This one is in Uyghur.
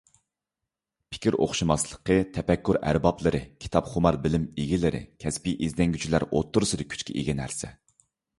پىكىر ئوخشاشماسلىقى تەپەككۇر ئەربابلىرى، كىتاپخۇمار بىلىم ئىگىلىرى، كەسپىي ئىزدەنگۈچىلەر ئوتتۇرسىدا كۈچكە ئىگە نەرسە.